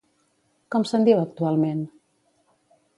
Com se'n diu actualment?